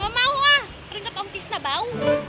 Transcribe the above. ga mau ah ringet om tisna bau